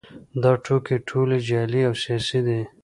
دا ټوکې ټولې جعلي او سیاسي دي